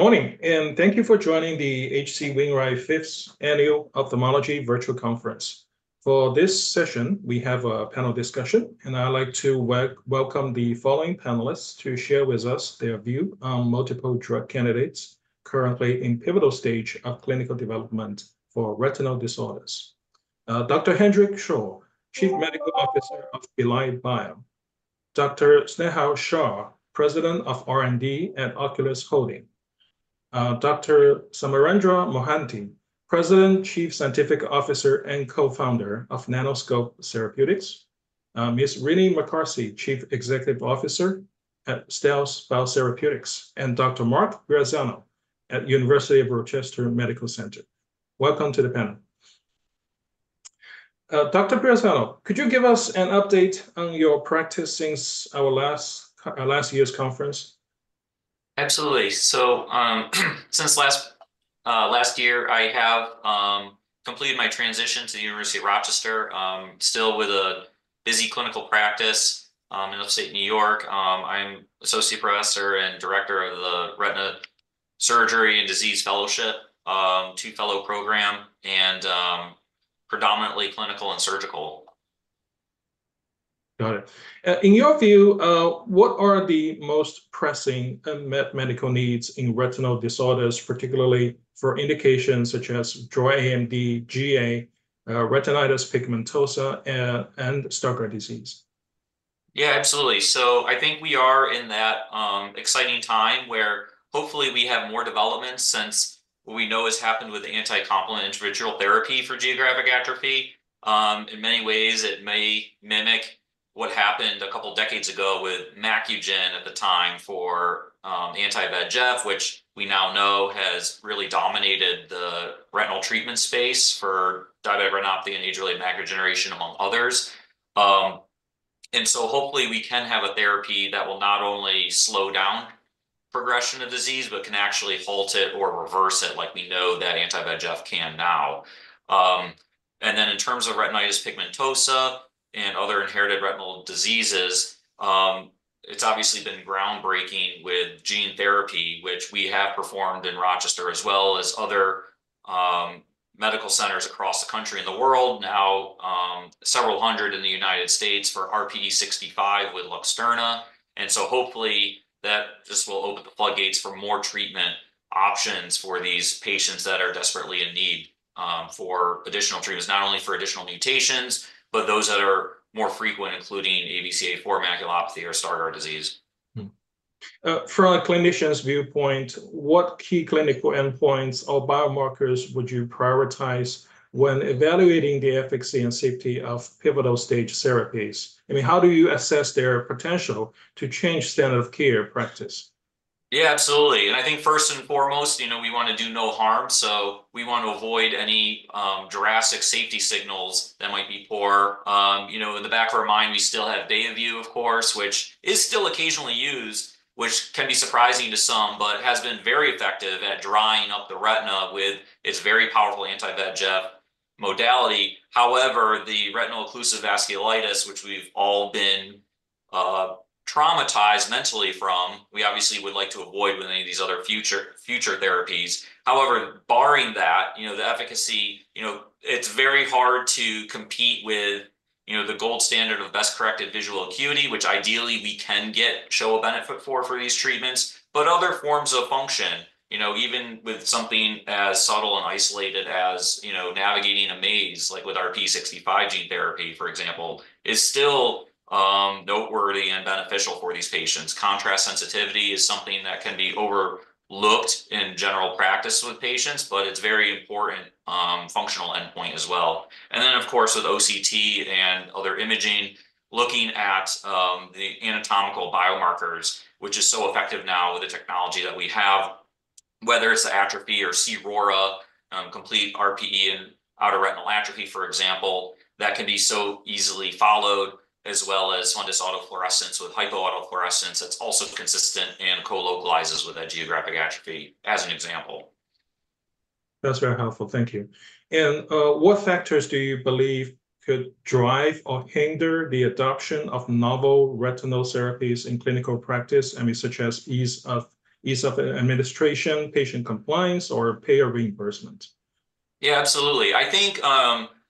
Good morning, and thank you for joining the H.C. Wainwright Fifth Annual Ophthalmology Virtual Conference. For this session, we have a panel discussion, and I'd like to welcome the following panelists to share with us their view on multiple drug candidates currently in pivotal stage of clinical development for retinal disorders. Dr. Hendrik Scholl, Chief Medical Officer of Belite Bio – Dr. Snehal Shah, President of R&D at Oculis Holding AG – Dr. Samarendra Mohanty, President, Chief Scientific Officer, and Co-Founder of Nanoscope Therapeutics – Ms. Reenie McCarthy, Chief Executive Officer at Stealth BioTherapeutics – and Dr. Mark Breazzano at the University of Rochester Medical Center. Welcome to the panel. Dr. Breazzano, could you give us an update on your practice since our last year's conference? Absolutely. Since last year, I have completed my transition to the University of Rochester, still with a busy clinical practice in upstate New York. I'm Associate Professor and Director of the Retina Surgery and Disease Fellowship, a two-fellow program, and predominantly clinical and surgical. Got it. In your view, what are the most pressing medical needs in retinal disorders, particularly for indications such as dry AMD, GA, retinitis pigmentosa, and Stargardt disease? Yeah, absolutely. I think we are in that exciting time where hopefully we have more developments since what we know has happened with the anti-complement in vitro therapy for geographic atrophy. In many ways, it may mimic what happened a couple of decades ago with Macugen at the time for anti-VEGF, which we now know has really dominated the retinal treatment space for diabetic retinopathy and age-related macular degeneration, among others. Hopefully, we can have a therapy that will not only slow down the progression of the disease but can actually halt it or reverse it like we know that anti-VEGF can now. In terms of retinitis pigmentosa and other inherited retinal diseases, it's obviously been groundbreaking with gene therapy, which we have performed in Rochester as well as other medical centers across the country and the world, now, several hundred in the United States for RPE65 with Luxturna. Hopefully, this will open the floodgates for more treatment options for these patients that are desperately in need for additional treatments, not only for additional mutations but those that are more frequent, including ABCA4 maculopathy or Stargardt disease. From a clinician's viewpoint, what key clinical endpoints or biomarkers would you prioritize when evaluating the efficacy and safety of pivotal stage therapies? I mean, how do you assess their potential to change the standard of care practice? Yeah, absolutely. I think first and foremost, we want to do no harm. We want to avoid any drastic safety signals that might be poor. In the back of our mind, we still have Betaview, of course, which is still occasionally used, which can be surprising to some, but has been very effective at drying up the retina with its very powerful anti-VEGF modality. However, the retinal occlusive vasculitis, which we've all been traumatized mentally from, we obviously would like to avoid with any of these other future therapies. Barring that, the efficacy, it's very hard to compete with the gold standard of best-corrected visual acuity, which ideally we can show a benefit for these treatments. Other forms of function, even with something as subtle and isolated as navigating a maze, like with RPE65 gene therapy, for example, is still noteworthy and beneficial for these patients. Contrast sensitivity is something that can be overlooked in general practice with patients, but it's a very important functional endpoint as well. Of course, with OCT and other imaging, looking at the anatomical biomarkers, which are so effective now with the technology that we have, whether it's the atrophy or C-ROA, complete RPE and outer retinal atrophy, for example, that can be so easily followed, as well as fundus autofluorescence with hypoautofluorescence that's also consistent and co-localizes with that geographic atrophy as an example. That's very helpful. Thank you. What factors do you believe could drive or hinder the adoption of novel retinal therapies in clinical practice, such as ease of administration, patient compliance, or payer reimbursement? Yeah, absolutely. I think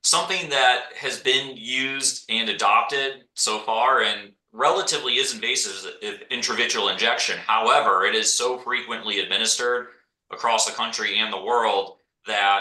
something that has been used and adopted so far and relatively is invasive is intravitreal injection. However, it is so frequently administered across the country and the world that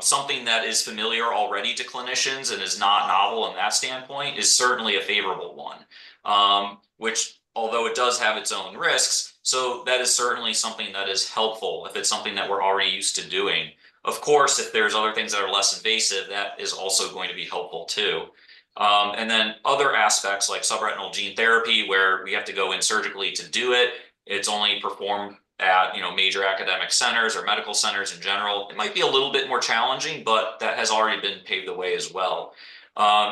something that is familiar already to clinicians and is not novel in that standpoint is certainly a favorable one, which although it does have its own risks, is certainly something that is helpful if it's something that we're already used to doing. Of course, if there's other things that are less invasive, that is also going to be helpful too. Then other aspects like subretinal gene therapy, where we have to go in surgically to do it, it's only performed at major academic centers or medical centers in general. It might be a little bit more challenging, but that has already paved the way as well.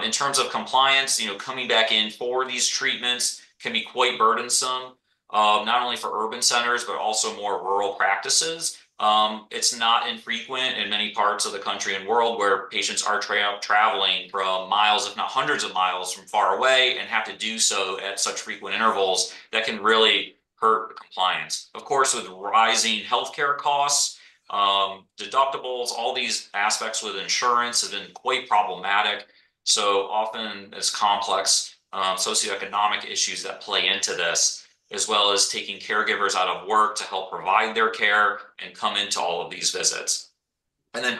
In terms of compliance, coming back in for these treatments can be quite burdensome, not only for urban centers but also more rural practices. It's not infrequent in many parts of the country and world where patients are traveling from miles, if not hundreds of miles, from far away and have to do so at such frequent intervals. That can really hurt the compliance. Of course, with rising health care costs, deductibles, all these aspects with insurance have been quite problematic. Often it's complex, socioeconomic issues that play into this, as well as taking caregivers out of work to help provide their care and come into all of these visits.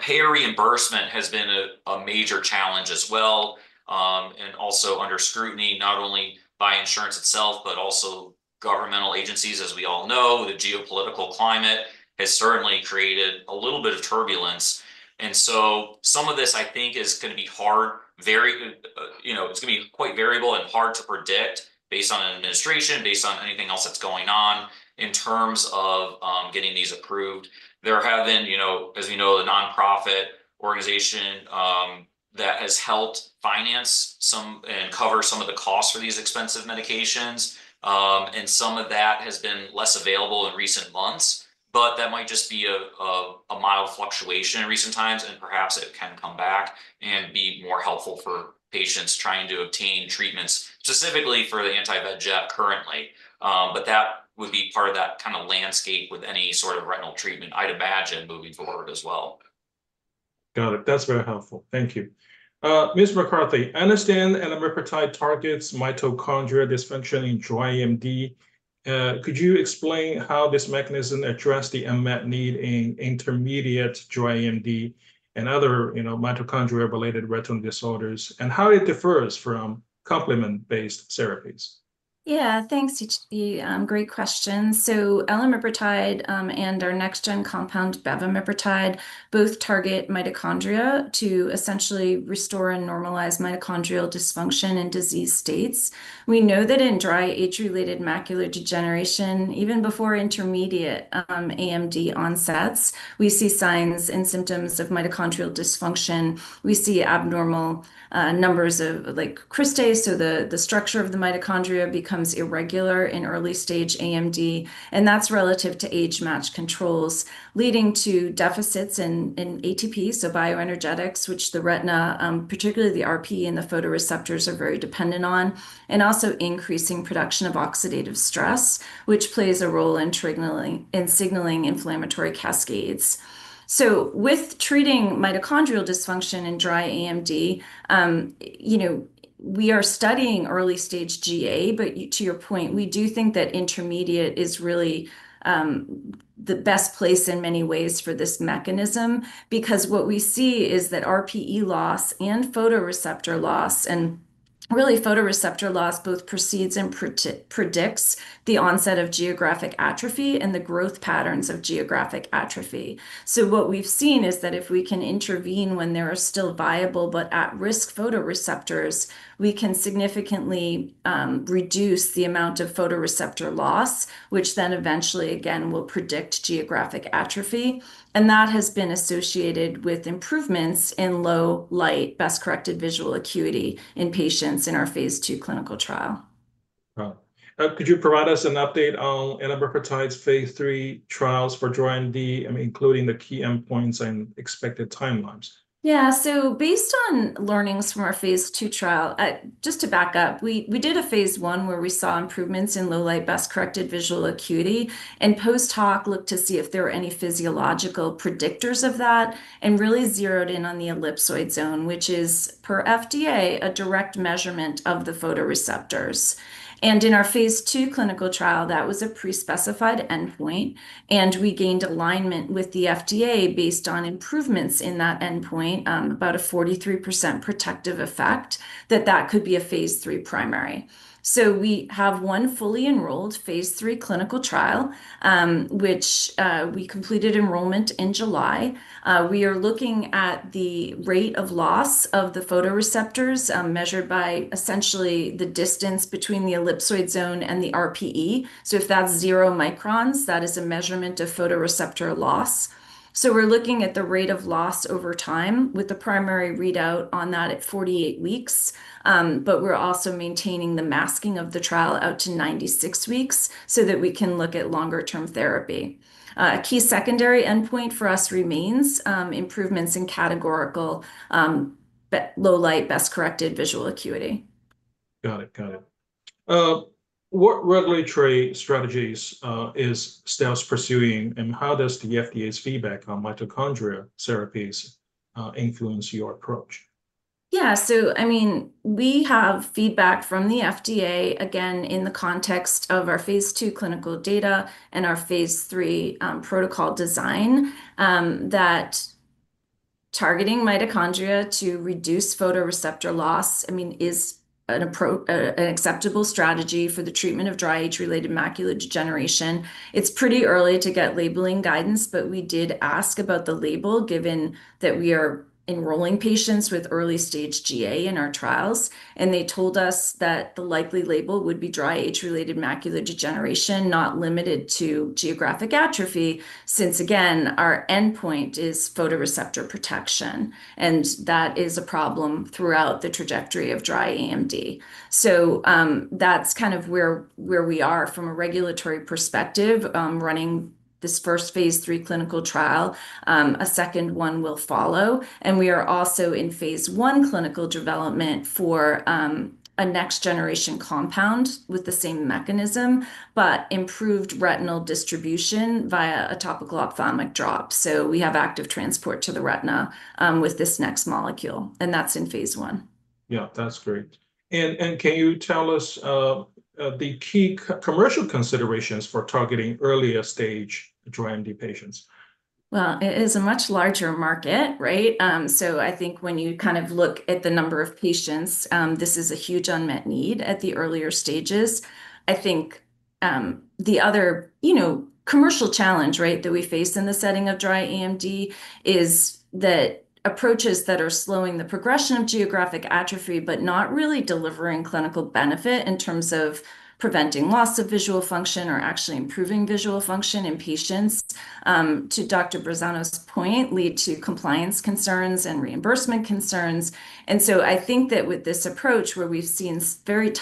Payer reimbursement has been a major challenge as well, and also under scrutiny, not only by insurance itself but also governmental agencies. As we all know, the geopolitical climate has certainly created a little bit of turbulence. Some of this, I think, is going to be hard, very, you know, it's going to be quite variable and hard to predict based on administration, based on anything else that's going on in terms of getting these approved. There have been, as you know, a nonprofit organization that has helped finance some and cover some of the costs for these expensive medications, and some of that has been less available in recent months. That might just be a mild fluctuation in recent times, and perhaps it can come back and be more helpful for patients trying to obtain treatments specifically for the anti-VEGF currently. That would be part of that kind of landscape with any sort of retinal treatment, I'd imagine, moving forward as well. Got it. That's very helpful. Thank you. Ms. McCarthy, I understand elamipretide targets mitochondrial dysfunction in dry AMD. Could you explain how this mechanism addresses the unmet need in intermediate dry AMD and other, you know, mitochondria-related retinal disorders and how it differs from complement-based therapies? Yeah, thanks. It's a great question. So elamipretide and our next-gen compound, beva-mipretide, both target mitochondria to essentially restore and normalize mitochondrial dysfunction in disease states. We know that in dry age-related macular degeneration, even before intermediate AMD onsets, we see signs and symptoms of mitochondrial dysfunction. We see abnormal numbers of, like, cristae. The structure of the mitochondria becomes irregular in early-stage AMD. That's relative to age-matched controls, leading to deficits in ATP, so bioenergetics, which the retina, particularly the RPE and the photoreceptors, are very dependent on, and also increasing production of oxidative stress, which plays a role in signaling inflammatory cascades. With treating mitochondrial dysfunction in dry AMD, you know, we are studying early-stage GA, but to your point, we do think that intermediate is really the best place in many ways for this mechanism because what we see is that RPE loss and photoreceptor loss, and really photoreceptor loss, both precedes and predicts the onset of geographic atrophy and the growth patterns of geographic atrophy. What we've seen is that if we can intervene when there are still viable but at-risk photoreceptors, we can significantly reduce the amount of photoreceptor loss, which then eventually, again, will predict geographic atrophy. That has been associated with improvements in low light best-corrected visual acuity in patients in our Phase 2 clinical trial. Got it. Could you provide us an update on elamipretide's Phase 3 trials for dry AMD, including the key endpoints and expected timelines? Yeah, so based on learnings from our Phase 2 trial, just to back up, we did a Phase 1 where we saw improvements in low light best-corrected visual acuity, and post-hoc looked to see if there were any physiological predictors of that and really zeroed in on the ellipsoid zone, which is, per FDA, a direct measurement of the photoreceptors. In our Phase 2 clinical trial, that was a pre-specified endpoint, and we gained alignment with the FDA based on improvements in that endpoint, about a 43% protective effect, that that could be a Phase 3 primary. We have one fully enrolled Phase 3 clinical trial, which we completed enrollment in July. We are looking at the rate of loss of the photoreceptors, measured by essentially the distance between the ellipsoid zone and the RPE. If that's zero microns, that is a measurement of photoreceptor loss. We are looking at the rate of loss over time with the primary readout on that at 48 weeks, but we're also maintaining the masking of the trial out to 96 weeks so that we can look at longer-term therapy. A key secondary endpoint for us remains improvements in categorical, low light best-corrected visual acuity. Got it. Got it. What regulatory strategies is Stealth pursuing, and how does the FDA's feedback on mitochondrial therapies influence your approach? Yeah, so I mean, we have feedback from the FDA, again, in the context of our Phase 2 clinical data and our Phase 3 protocol design, that targeting mitochondria to reduce photoreceptor loss is an approach, an acceptable strategy for the treatment of dry age-related macular degeneration. It's pretty early to get labeling guidance, but we did ask about the label given that we are enrolling patients with early-stage GA in our trials, and they told us that the likely label would be dry age-related macular degeneration, not limited to geographic atrophy, since, again, our endpoint is photoreceptor protection, and that is a problem throughout the trajectory of dry AMD. That is kind of where we are from a regulatory perspective, running this first Phase 3 clinical trial. A second one will follow. We are also in Phase 1 clinical development for a next-generation compound with the same mechanism, but improved retinal distribution via a topical ophthalmic drop. We have active transport to the retina with this next molecule, and that's in Phase 1. Yeah, that's great. Can you tell us the key commercial considerations for targeting earlier-stage dry AMD patients? It is a much larger market, right? I think when you kind of look at the number of patients, this is a huge unmet need at the earlier stages. I think the other, you know, commercial challenge, right, that we face in the setting of dry age-related macular degeneration is the approaches that are slowing the progression of geographic atrophy but not really delivering clinical benefit in terms of preventing loss of visual function or actually improving visual function in patients. To Dr. Breazzano's point, lead to compliance concerns and reimbursement concerns. I think that with this approach, where we've seen very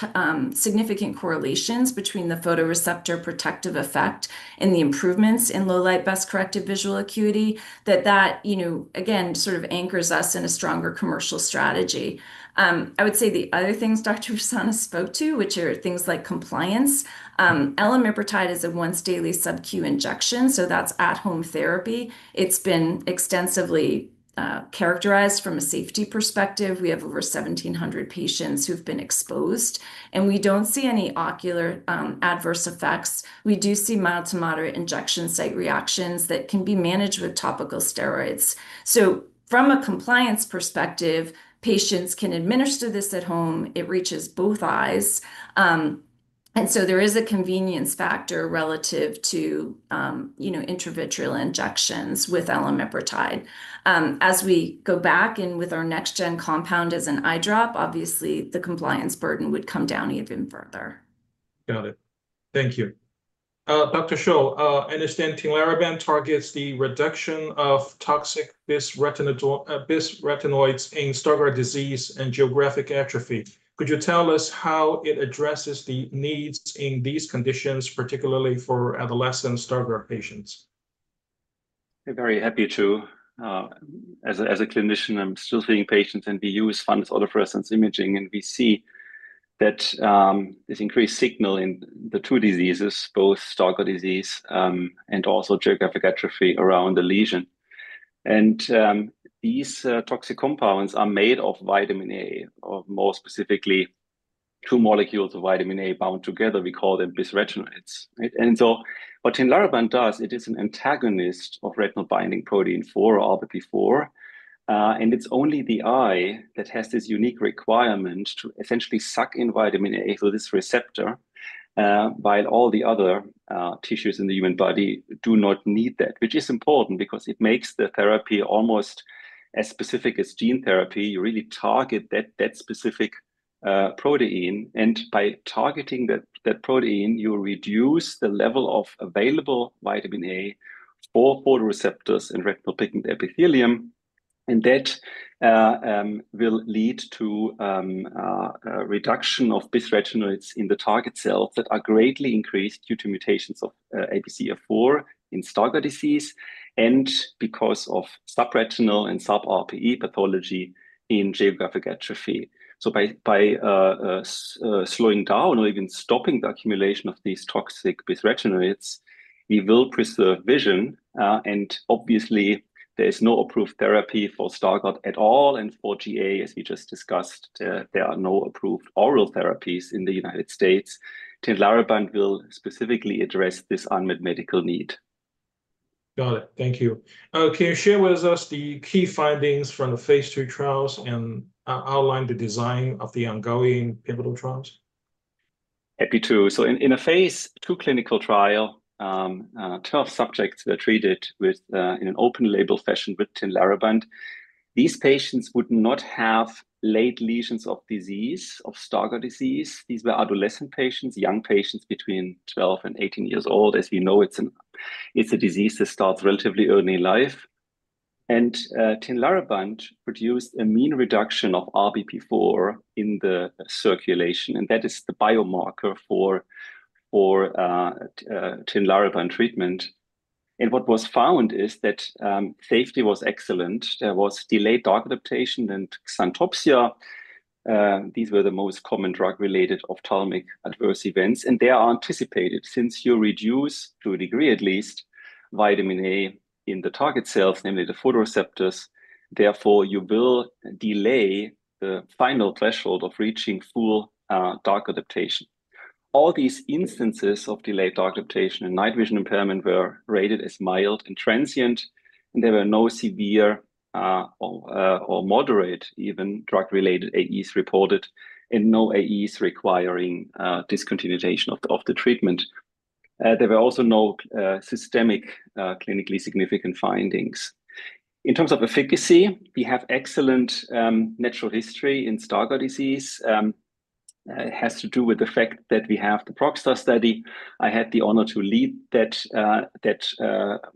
significant correlations between the photoreceptor protective effect and the improvements in low light best-corrected visual acuity, that that, you know, again, sort of anchors us in a stronger commercial strategy. I would say the other things Dr. Breazzano spoke to, which are things like compliance, elamipretide is a once-daily subcutaneous injection. That's at-home therapy. It's been extensively characterized from a safety perspective. We have over 1,700 patients who've been exposed, and we don't see any ocular adverse effects. We do see mild to moderate injection site reactions that can be managed with topical steroids. From a compliance perspective, patients can administer this at home. It reaches both eyes, and there is a convenience factor relative to, you know, intravitreal injections with elamipretide. As we go back in with our next-gen compound as an eye drop, obviously, the compliance burden would come down even further. Got it. Thank you. Dr. Shah, I understand tinlarebant targets the reduction of toxic bis-retinoids in Stargardt disease and geographic atrophy. Could you tell us how it addresses the needs in these conditions, particularly for adolescent Stargardt patients? I'm very happy to, as a clinician, I'm still seeing patients, and we use fundus autofluorescence imaging, and we see that there's increased signal in the two diseases, both Stargardt disease and also geographic atrophy around the lesion. These toxic compounds are made of vitamin A, or more specifically, two molecules of vitamin A bound together. We call them bis-retinoids. What tinlarebant does, it is an antagonist of retinol binding protein 4, or RBP4, and it's only the eye that has this unique requirement to essentially suck in vitamin A through this receptor, while all the other tissues in the human body do not need that, which is important because it makes the therapy almost as specific as gene therapy. You really target that specific protein, and by targeting that protein, you reduce the level of available vitamin A for photoreceptors in retinal pigment epithelium, and that will lead to a reduction of bis-retinoids in the target cells that are greatly increased due to mutations of ABCA4 in Stargardt disease and because of subretinal and sub-RPE pathology in geographic atrophy. By slowing down or even stopping the accumulation of these toxic bis-retinoids, we will preserve vision. Obviously, there is no approved therapy for Stargardt at all, and for GA, as we just discussed, there are no approved oral therapies in the United States. Tinlarebant will specifically address this unmet medical need. Got it. Thank you. Can you share with us the key findings from the Phase 3 trials and outline the design of the ongoing pivotal trials? Happy to. In a Phase 2 clinical trial, 12 subjects were treated in an open-label fashion with tinlarebant. These patients would not have late lesions of disease of Stargardt disease. These were adolescent patients, young patients between 12 and 18 years old. As we know, it's a disease that starts relatively early in life. Tinlarebant produced a mean reduction of RBP4 in the circulation, and that is the biomarker for tinlarebant treatment. What was found is that safety was excellent. There was delayed dark adaptation and xanthopsia. These were the most common drug-related ophthalmic adverse events, and they are anticipated since you reduce to a degree, at least, vitamin A in the target cells, namely the photoreceptors. Therefore, you will delay the final threshold of reaching full dark adaptation. All these instances of delayed dark adaptation and night vision impairment were rated as mild and transient, and there were no severe or even moderate drug-related AEs reported and no AEs requiring discontinuation of the treatment. There were also no systemic clinically significant findings. In terms of efficacy, we have excellent natural history in Stargardt disease. It has to do with the fact that we have the PROXSTAR study. I had the honor to lead that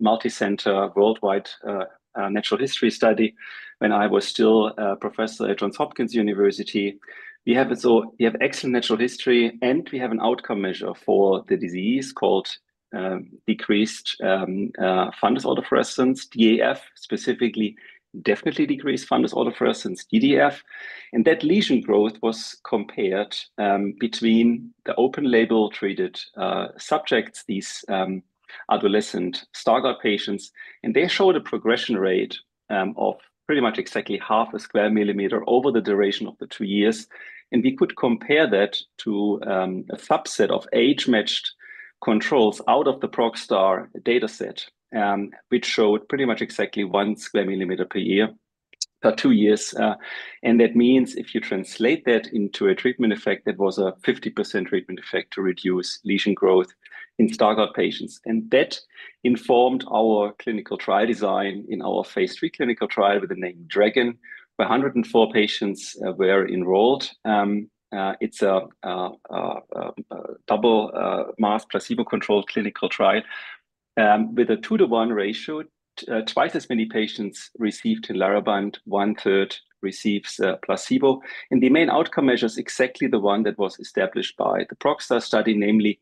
multicenter worldwide natural history study when I was still a professor at Johns Hopkins University. We have excellent natural history, and we have an outcome measure for the disease called decreased fundus autofluorescence, DAF specifically, definitely decreased fundus autofluorescence, DDF. That lesion growth was compared between the open-label treated subjects, these adolescent Stargardt patients, and they showed a progression rate of pretty much exactly half a square millimeter over the duration of the two years. We could compare that to a subset of age-matched controls out of the PROXSTAR dataset, which showed pretty much exactly one square millimeter per year, per two years. That means if you translate that into a treatment effect, that was a 50% treatment effect to reduce lesion growth in Stargardt patients. That informed our clinical trial design in our Phase 3 clinical trial with the name Dragon, where 104 patients were enrolled. It's a double-masked placebo-controlled clinical trial with a two-to-one ratio. Twice as many patients received tinlarebant – one-third receives placebo. The main outcome measure is exactly the one that was established by the PROXSTAR study, namely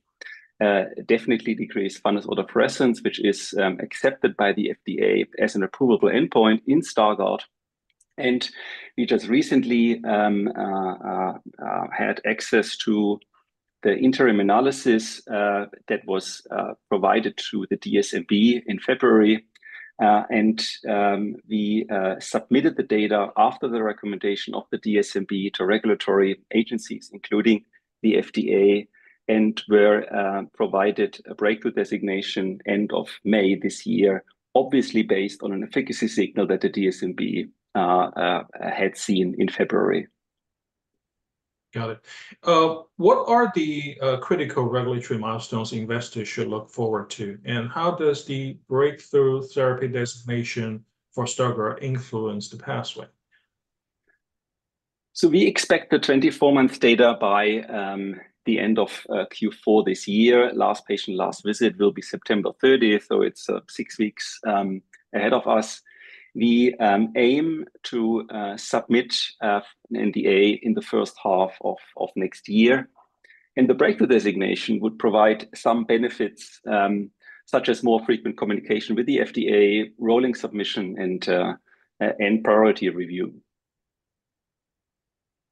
definitely decreased fundus autofluorescence, which is accepted by the FDA as an approval endpoint in Stargardt. We just recently had access to the interim analysis that was provided to the DSMB in February. We submitted the data after the recommendation of the DSMB to regulatory agencies, including the FDA, and were provided a breakthrough designation end of May this year, obviously based on an efficacy signal that the DSMB had seen in February. Got it. What are the critical regulatory milestones investors should look forward to? How does the breakthrough therapy designation for Stargardt influence the pathway? We expect the 24-month data by the end of Q4 this year. Last patient last visit will be September 30, so it's six weeks ahead of us. We aim to submit an NDA in the first half of next year. The breakthrough designation would provide some benefits, such as more frequent communication with the FDA, rolling submission, and priority review.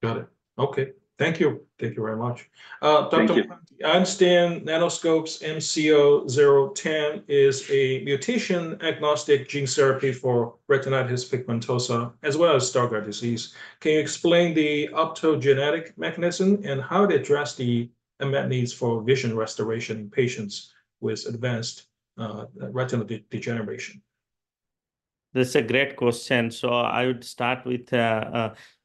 Got it. Okay. Thank you. Thank you very much. Thank you. I understand Nanoscope's MCO-010 is a mutation-agnostic gene therapy for retinitis pigmentosa as well as Stargardt disease. Can you explain the optogenetic mechanism and how it addresses the unmet needs for vision restoration in patients with advanced retinal degeneration? That's a great question. I would start with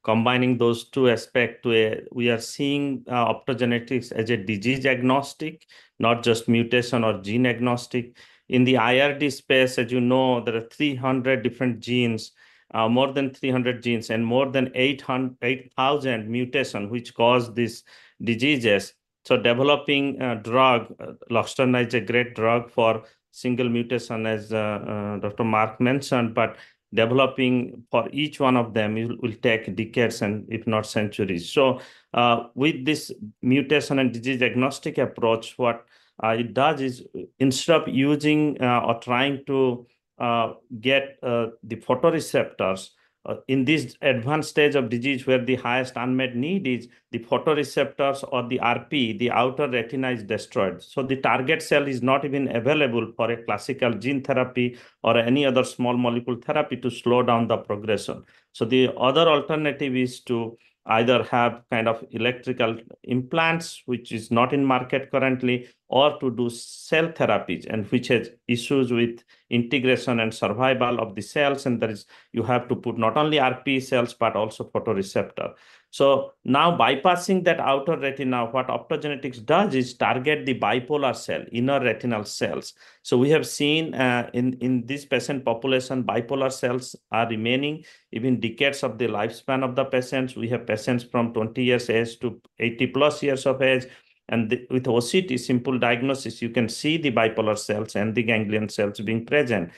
combining those two aspects where we are seeing optogenetics as a disease-agnostic, not just mutation or gene-agnostic. In the IRD space, as you know, there are more than 300 genes and more than 8,000 mutations which cause these diseases. Developing a drug, Luxturna is a great drug for single mutation, as Dr. Mark Breazzano mentioned. Developing for each one of them will take decades, if not centuries. With this mutation and disease-agnostic approach, what it does is instead of using or trying to get the photoreceptors in this advanced stage of disease where the highest unmet need is the photoreceptors or the RP, the outer retina is destroyed. The target cell is not even available for a classical gene therapy or any other small molecule therapy to slow down the progression. The other alternative is to either have kind of electrical implants, which is not in market currently, or to do cell therapies, which has issues with integration and survival of the cells. You have to put not only RP cells but also photoreceptors. Now bypassing that outer retina, what optogenetics does is target the bipolar cell, inner retinal cells. We have seen in this patient population, bipolar cells are remaining even decades of the lifespan of the patients. We have patients from 20 years of age to 80+ years of age. With OCT, simple diagnosis, you can see the bipolar cells and the ganglion cells being present.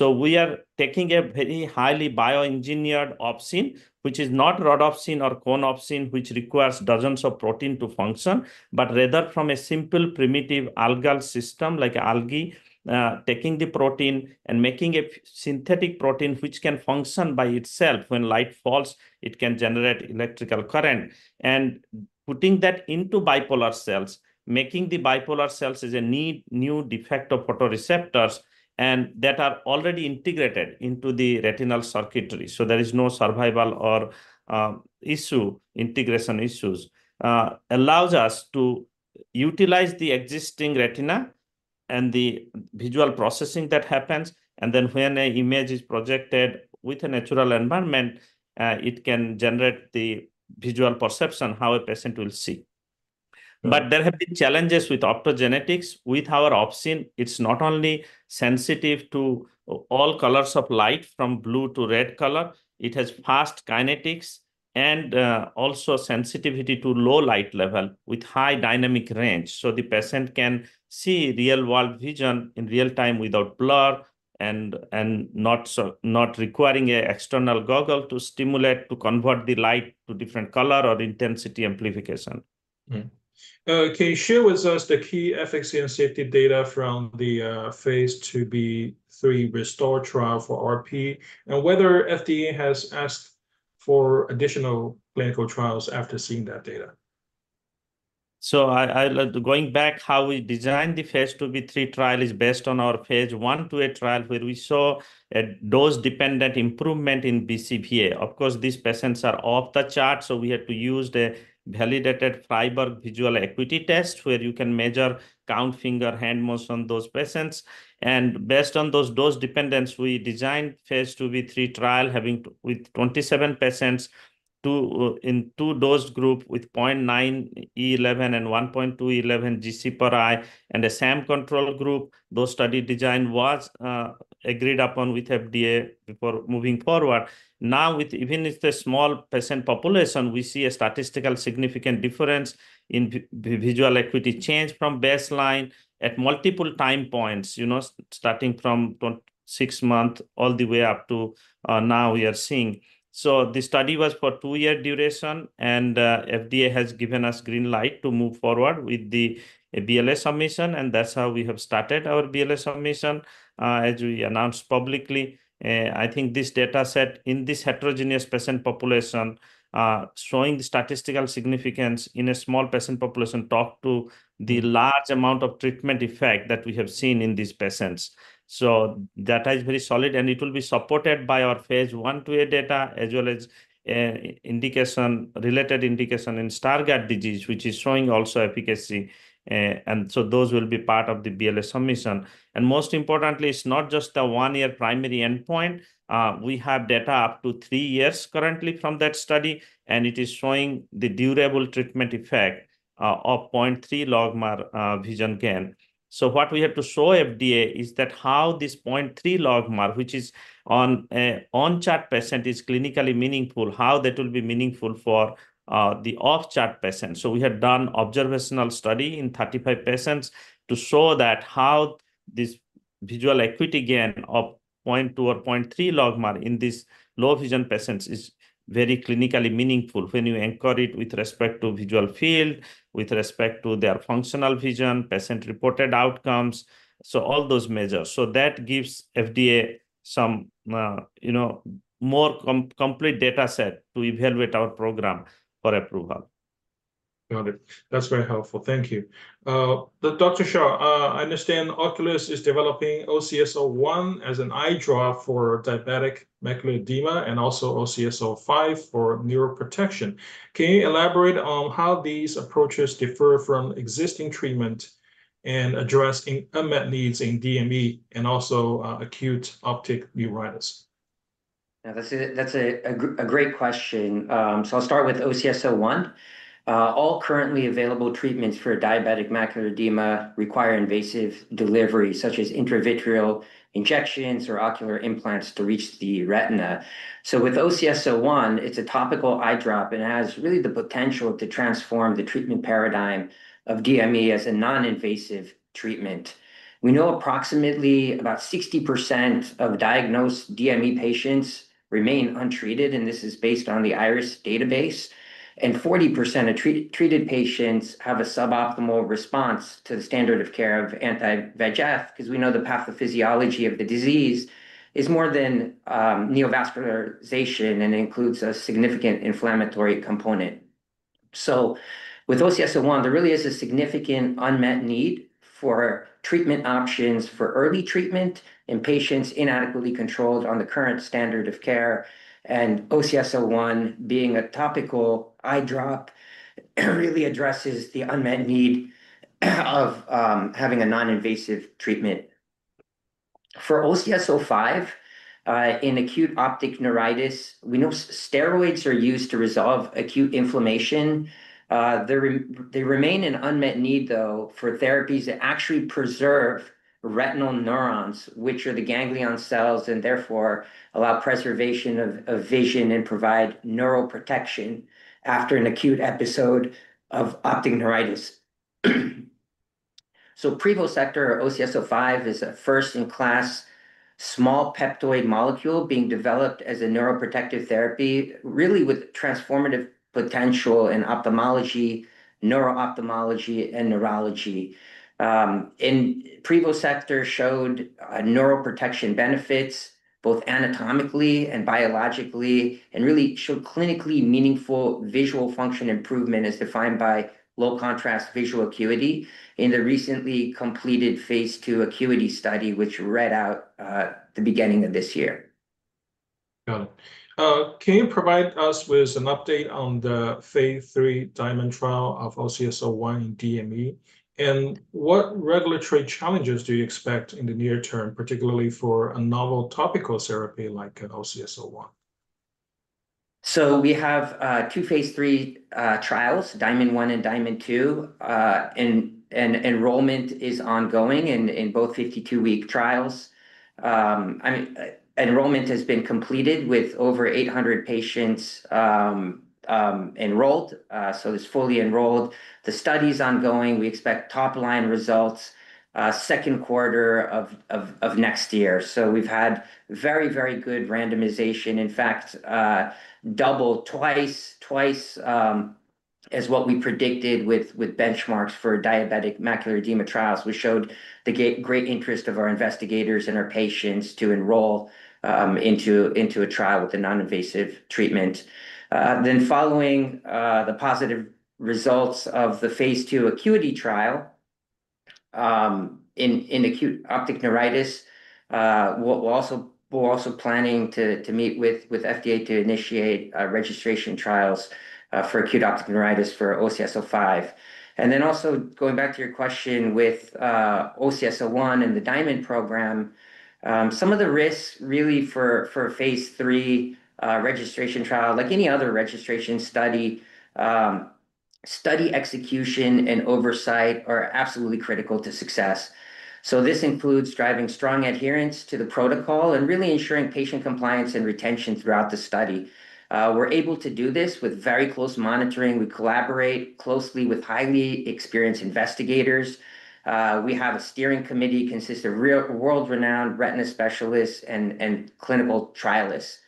We are taking a very highly bioengineered opsin, which is not rhodopsin or conopsin, which requires dozens of proteins to function, but rather from a simple primitive algal system like algae, taking the protein and making a synthetic protein which can function by itself. When light falls, it can generate electrical current. Putting that into bipolar cells, making the bipolar cells as a new defect of photoreceptors that are already integrated into the retinal circuitry. There is no survival or integration issues. It allows us to utilize the existing retina and the visual processing that happens. When an image is projected with a natural environment, it can generate the visual perception how a patient will see. There have been challenges with optogenetics. With our opsin, it's not only sensitive to all colors of light, from blue to red color. It has fast kinetics and also sensitivity to low light level with high dynamic range. The patient can see real-world vision in real time without blur and not requiring an external goggle to stimulate to convert the light to different color or intensity amplification. Can you share with us the key efficacy and safety data from the Phase 2b/3 RESTORE trial for RP, and whether FDA has asked for additional clinical trials after seeing that data? So going back, how we designed the Phase 2b/3 trial is based on our Phase 1/2 trial where we saw a dose-dependent improvement in BCVA. Of course, these patients are off the chart, so we had to use the validated Freiburg visual acuity test where you can measure count finger, hand motion on those patients. Based on those dose dependencies, we designed the Phase 2b/3 trial with 27 patients in two dose groups with 0.9E11 and 1.2E11 GC per eye and the same control group. Those study designs were agreed upon with FDA before moving forward. Now, even with the small patient population, we see a statistically significant difference in visual acuity change from baseline at multiple time points, starting from 26 months all the way up to now we are seeing. The study was for two-year duration, and FDA has given us green light to move forward with the BLA submission. That's how we have started our BLA submission. As we announced publicly, I think this data set in this heterogeneous patient population is showing the statistical significance in a small patient population to talk to the large amount of treatment effect that we have seen in these patients. That is very solid, and it will be supported by our Phase 1/2 data as well as related indication in Stargardt disease, which is showing also efficacy. Those will be part of the BLA submission. Most importantly, it's not just the one-year primary endpoint. We have data up to three years currently from that study, and it is showing the durable treatment effect of 0.3 logMAR vision gain. What we had to show FDA is that how this 0.3 logMAR, which is on-chart patients, is clinically meaningful, how that will be meaningful for the off-chart patients. We had done an observational study in 35 patients to show that how this visual acuity gain of 0.2 or 0.3 logMAR in these low vision patients is very clinically meaningful when you anchor it with respect to visual field, with respect to their functional vision, patient-reported outcomes, all those measures. That gives FDA some more complete data set to evaluate our program for approval. Got it. That's very helpful. Thank you. Dr. Scholl, I understand Oculis is developing OCS-01 as an eye drop for diabetic macular edema and also OCS-05 for neuroprotection. Can you elaborate on how these approaches differ from existing treatment and address unmet needs in DME and also acute optic neuritis? Yeah, that's a great question. I'll start with OCS-01. All currently available treatments for diabetic macular edema require invasive delivery, such as intravitreal injections or ocular implants to reach the retina. With OCS-01, it's a topical eye drop, and it has really the potential to transform the treatment paradigm of DME as a non-invasive treatment. We know approximately about 60% of diagnosed DME patients remain untreated, and this is based on the IRIS database. 40% of treated patients have a suboptimal response to the standard of care of anti-VEGF because we know the pathophysiology of the disease is more than neovascularization, and it includes a significant inflammatory component. With OCS-01, there really is a significant unmet need for treatment options for early treatment in patients inadequately controlled on the current standard of care. OCS-01 being a topical eye drop really addresses the unmet need of having a non-invasive treatment. For OCS-05 in acute optic neuritis, we know steroids are used to resolve acute inflammation. There remains an unmet need, though, for therapies that actually preserve retinal neurons, which are the ganglion cells, and therefore allow preservation of vision and provide neuroprotection after an acute episode of optic neuritis. Privosegtor or OCS-05 is a first-in-class small peptoid molecule being developed as a neuroprotective therapy, really with transformative potential in ophthalmology, neuro-ophthalmology, and neurology. Privosegtor showed neuroprotection benefits both anatomically and biologically and really showed clinically meaningful visual function improvement as defined by low-contrast visual acuity in the recently completed Phase 2 acuity study, which read out at the beginning of this year. Got it. Can you provide us with an update on the Phase 3 Diamond trial of OCS-01 in DME? What regulatory challenges do you expect in the near term, particularly for a novel topical therapy like OCS-01? We have two Phase 3 trials, Diamond-1 and Diamond-2, and enrollment is ongoing in both 52-week trials. Enrollment has been completed with over 800 patients enrolled. It's fully enrolled. The study is ongoing. We expect top-line results second quarter of next year. We've had very, very good randomization. In fact, double, twice as what we predicted with benchmarks for diabetic macular edema trials, which showed the great interest of our investigators and our patients to enroll into a trial with a non-invasive treatment. Following the positive results of the Phase 2 acuity trial in acute optic neuritis, we're also planning to meet with FDA to initiate registration trials for acute optic neuritis for OCS-05. Also, going back to your question with OCS-01 and the Diamond program, some of the risks really for a Phase 3 registration trial, like any other registration study, study execution and oversight are absolutely critical to success. This includes driving strong adherence to the protocol and really ensuring patient compliance and retention throughout the study. We're able to do this with very close monitoring. We collaborate closely with highly experienced investigators. We have a steering committee consisting of world-renowned retina specialists and clinical trialists.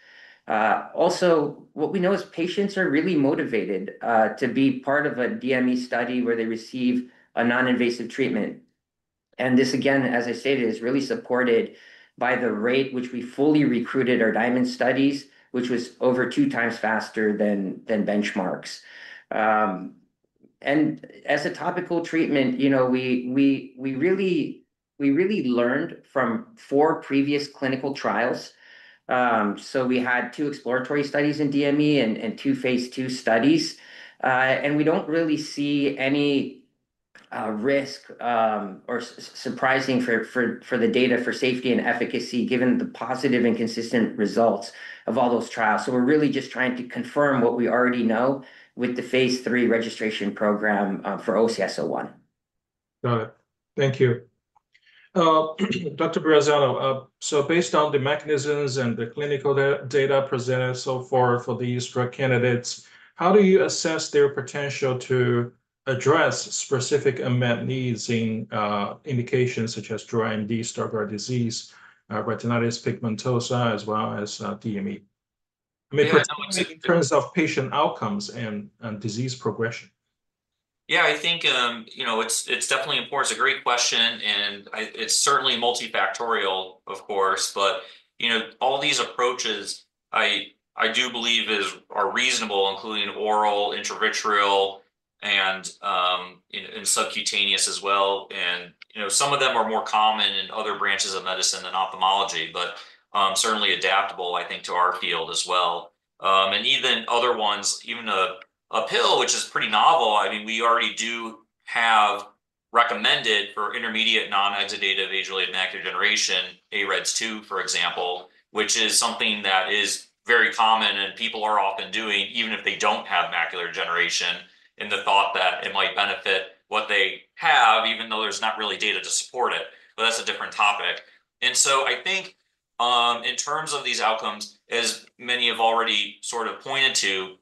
What we know is patients are really motivated to be part of a DME study where they receive a non-invasive treatment. This, again, as I stated, is really supported by the rate which we fully recruited our Diamond studies, which was over two times faster than benchmarks. As a topical treatment, you know, we really learned from four previous clinical trials. We had two exploratory studies in DME and two Phase 2 studies. We don't really see any risk or surprising for the data for safety and efficacy given the positive and consistent results of all those trials. We're really just trying to confirm what we already know with the Phase 3 registration program for OCS-01. Got it. Thank you. Dr. Brezzano, so based on the mechanisms and the clinical data presented so far for these drug candidates, how do you assess their potential to address specific unmet needs in indications such as dry AMD, Stargardt disease, retinitis pigmentosa, as well as DME? I mean, in terms of patient outcomes and disease progression. Yeah, I think it's definitely important. It's a great question, and it's certainly multifactorial, of course. All these approaches I do believe are reasonable, including oral, intravitreal, and subcutaneous as well. Some of them are more common in other branches of medicine than ophthalmology, but certainly adaptable, I think, to our field as well. Even other ones, even a pill, which is pretty novel. I mean, we already do have recommended for intermediate non-exudative age-related macular degeneration, AREDS2, for example, which is something that is very common and people are often doing even if they don't have macular degeneration and the thought that it might benefit what they have, even though there's not really data to support it. That's a different topic. I think in terms of these outcomes, as many have already sort of pointed to,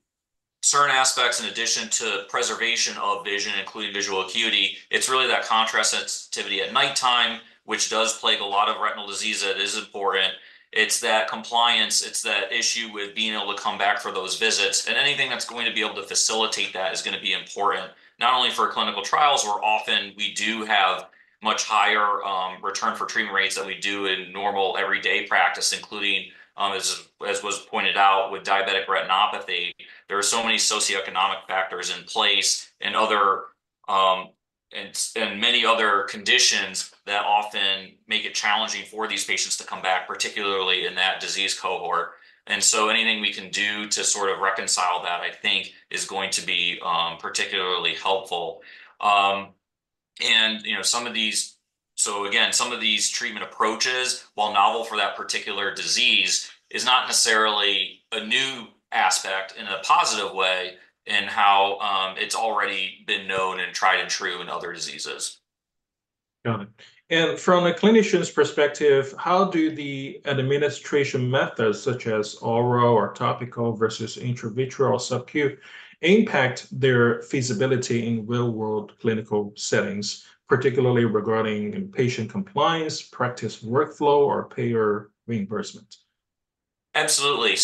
certain aspects in addition to preservation of vision, including visual acuity, it's really that contrast sensitivity at nighttime, which does plague a lot of retinal disease that is important. It's that compliance. It's that issue with being able to come back for those visits. Anything that's going to be able to facilitate that is going to be important, not only for clinical trials, where often we do have much higher return for treatment rates than we do in normal everyday practice, including, as was pointed out, with diabetic retinopathy. There are so many socioeconomic factors in place and many other conditions that often make it challenging for these patients to come back, particularly in that disease cohort. Anything we can do to sort of reconcile that, I think, is going to be particularly helpful. Some of these, so again, some of these treatment approaches, while novel for that particular disease, is not necessarily a new aspect in a positive way in how it's already been known and tried and true in other diseases. Got it. From a clinician's perspective, how do the administration methods, such as oral or topical versus intravitreal or subcu, impact their feasibility in real-world clinical settings, particularly regarding patient compliance, practice workflow, or payer reimbursement? Absolutely.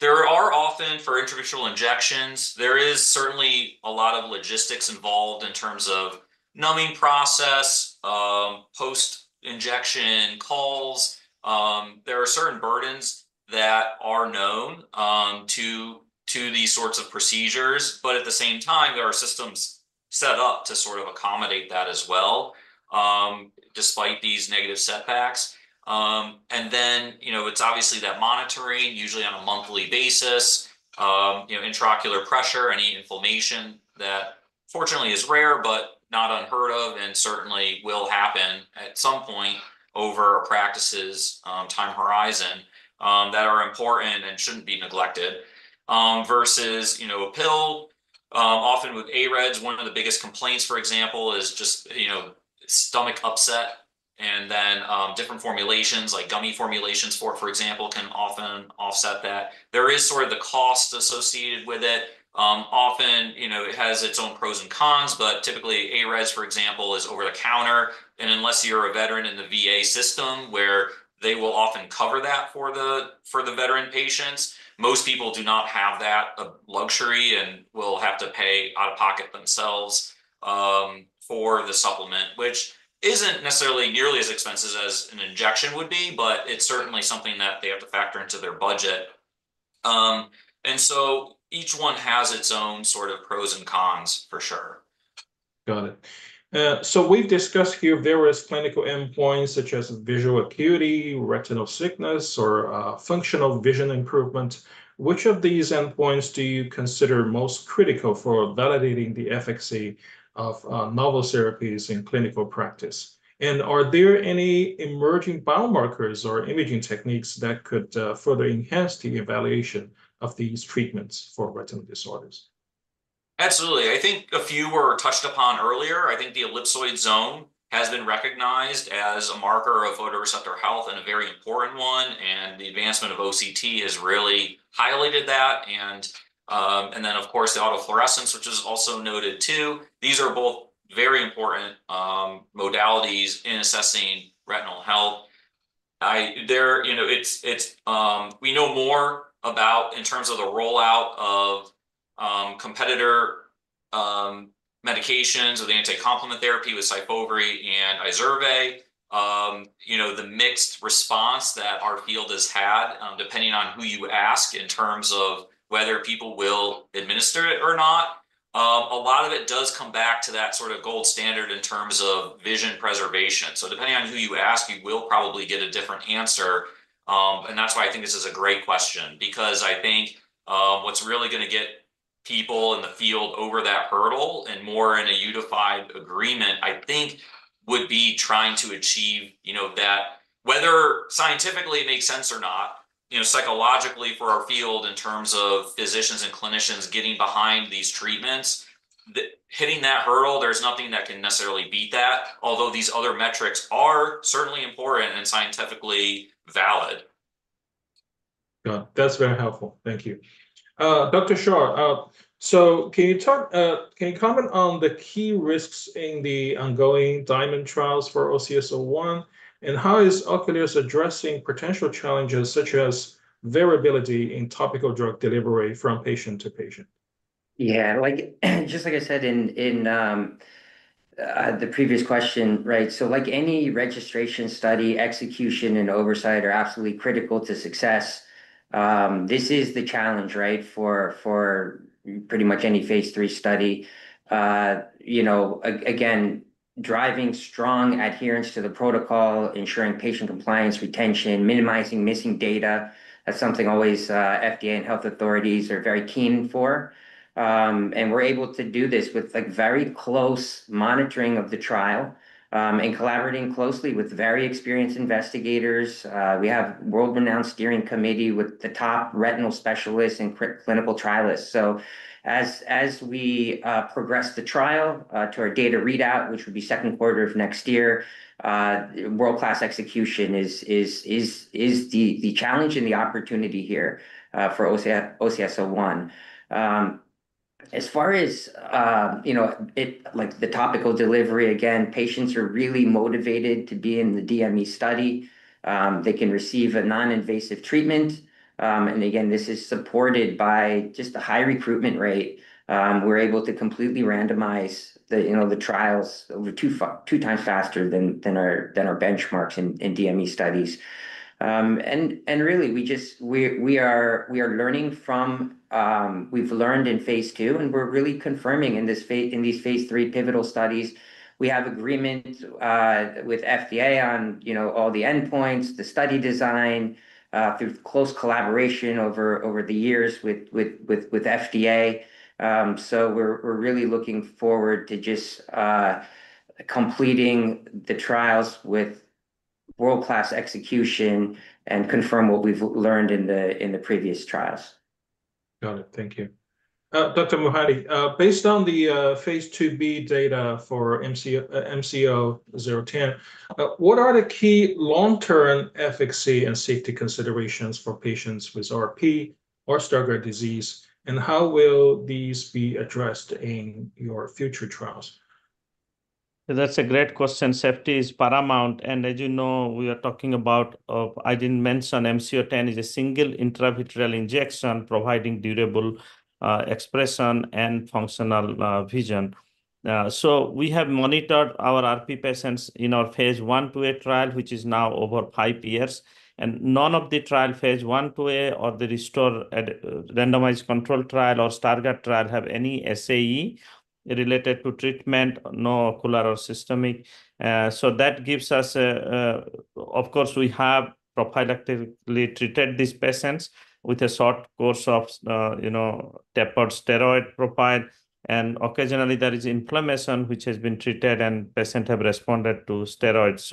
There are often, for intravitreal injections, certainly a lot of logistics involved in terms of numbing process and post-injection calls. There are certain burdens that are known to these sorts of procedures. At the same time, there are systems set up to accommodate that as well, despite these negative setbacks. It is obvious that monitoring, usually on a monthly basis, intraocular pressure, any inflammation that fortunately is rare but not unheard of and certainly will happen at some point over a practice's time horizon, are important and shouldn't be neglected. Versus a pill, often with AREDS, one of the biggest complaints, for example, is just stomach upset. Different formulations, like gummy formulations, for example, can often offset that. There is the cost associated with it. Often, it has its own pros and cons, but typically, AREDS, for example, is over-the-counter. Unless you're a veteran in the VA system where they will often cover that for the veteran patients, most people do not have that luxury and will have to pay out of pocket themselves for the supplement, which isn't necessarily nearly as expensive as an injection would be, but it's certainly something that they have to factor into their budget. Each one has its own pros and cons for sure. Got it. We've discussed here various clinical endpoints such as visual acuity, retinal thickness, or functional vision improvement. Which of these endpoints do you consider most critical for validating the efficacy of novel therapies in clinical practice? Are there any emerging biomarkers or imaging techniques that could further enhance the evaluation of these treatments for retinal disorders? Absolutely. I think a few were touched upon earlier. I think the ellipsoid zone has been recognized as a marker of photoreceptor health and a very important one. The advancement of OCT has really highlighted that. Of course, the fundus autofluorescence, which is also noted too, these are both very important modalities in assessing retinal health. We know more about, in terms of the rollout of competitor medications or the anti-complement therapy with the mixed response that our field has had, depending on who you ask in terms of whether people will administer it or not. A lot of it does come back to that sort of gold standard in terms of vision preservation. Depending on who you ask, you will probably get a different answer. That is why I think this is a great question because I think what's really going to get people in the field over that hurdle and more in a unified agreement would be trying to achieve, you know, that whether scientifically it makes sense or not, psychologically for our field in terms of physicians and clinicians getting behind these treatments, hitting that hurdle, there's nothing that can necessarily beat that, although these other metrics are certainly important and scientifically valid. Got it. That's very helpful. Thank you. Dr. Scholl, can you comment on the key risks in the ongoing Diamond trials for OCS-01? How is Oculis addressing potential challenges such as variability in topical drug delivery from patient to patient? Like I said in the previous question, right? Like any registration study, execution and oversight are absolutely critical to success. This is the challenge, right, for pretty much any Phase 3 study. Again, driving strong adherence to the protocol, ensuring patient compliance, retention, minimizing missing data, that's something FDA and health authorities are very keen for. We're able to do this with very close monitoring of the trial and collaborating closely with very experienced investigators. We have a world-renowned steering committee with the top retinal specialists and clinical trialists. As we progress the trial to our data readout, which would be second quarter of next year, world-class execution is the challenge and the opportunity here for OCS-01. As far as the topical delivery, patients are really motivated to be in the DME study. They can receive a non-invasive treatment. This is supported by a high recruitment rate. We're able to completely randomize the trials over two times faster than our benchmarks in DME studies. We are learning from what we've learned in Phase 2, and we're really confirming in these Phase 3 pivotal studies. We have agreements with FDA on all the endpoints, the study design through close collaboration over the years with FDA. We're really looking forward to completing the trials with world-class execution and confirming what we've learned in the previous trials. Got it. Thank you. Dr. Mohanty, based on the Phase 2b data for MCO-010, what are the key long-term efficacy and safety considerations for patients with RP or Stargardt disease? How will these be addressed in your future trials? That's a great question. Safety is paramount. As you know, we are talking about, I didn't mention MCO-010 is a single intravitreal injection providing durable expression and functional vision. We have monitored our RP patients in our phase I/II trial, which is now over five years. None of the trial phase I/II or the Restore Randomized Control Trial or Stargardt trial have any SAE related to treatment, no ocular or systemic. That gives us a, of course, we have prophylactically treated these patients with a short course of, you know, tapered steroid profile. Occasionally, there is inflammation which has been treated and patients have responded to steroids.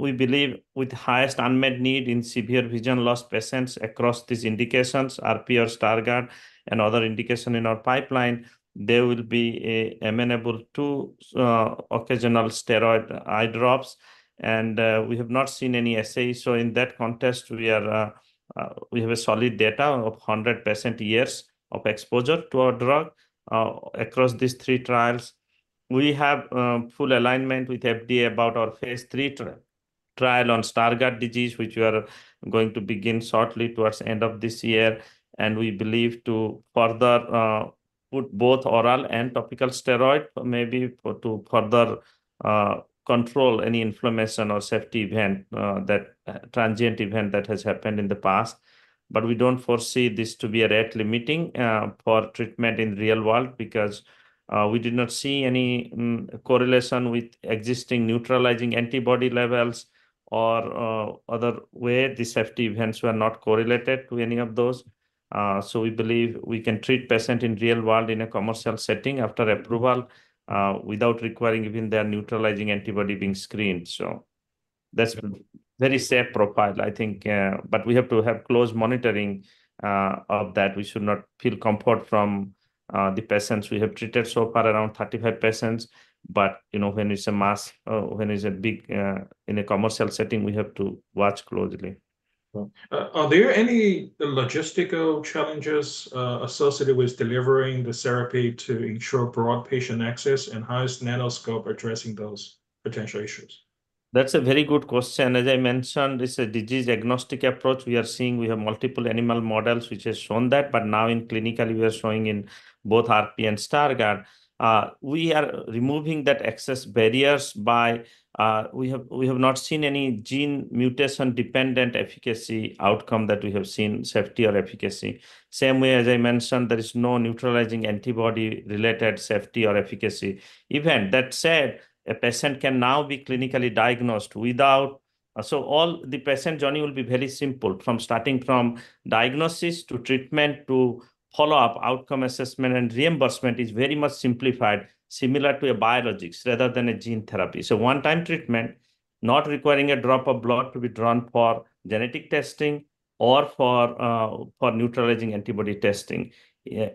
We believe with the highest unmet need in severe vision loss patients across these indications, RP or Stargardt and other indications in our pipeline, they will be amenable to occasional steroid eye drops. We have not seen any SAE. In that context, we have solid data of 100% years of exposure to our drug across these three trials. We have full alignment with FDA about our Phase 3 trial on Stargardt disease, which we are going to begin shortly towards the end of this year. We believe to further put both oral and topical steroid maybe to further control any inflammation or safety event, that transient event that has happened in the past. We do not foresee this to be a rate limiting for treatment in the real world because we did not see any correlation with existing neutralizing antibody levels or other ways. The safety events were not correlated to any of those. We believe we can treat patients in the real world in a commercial setting after approval without requiring even their neutralizing antibody being screened. That's a very safe profile, I think. We have to have close monitoring of that. We should not feel comfort from the patients. We have treated so far around 35 patients. When it's a mass, when it's big in a commercial setting, we have to watch closely. Are there any logistical challenges associated with delivering the therapy to ensure broad patient access, and how is Nanoscope addressing those potential issues? That's a very good question. As I mentioned, it's a disease-agnostic approach. We are seeing we have multiple animal models which have shown that. Now, clinically, we are showing in both RP and Stargardt. We are removing that access barrier by we have not seen any gene mutation-dependent efficacy outcome that we have seen, safety or efficacy. The same way, as I mentioned, there is no neutralizing antibody-related safety or efficacy. Even that said, a patient can now be clinically diagnosed without, so all the patient journey will be very simple from starting from diagnosis to treatment to follow-up outcome assessment. Reimbursement is very much simplified, similar to a biologics rather than a gene therapy. One-time treatment, not requiring a drop of blood to be drawn for genetic testing or for neutralizing antibody testing.